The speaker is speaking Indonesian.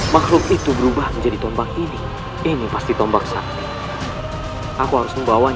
makhluk itu berubah menjadi tombak ini ini pasti tombak sapi aku harus membawa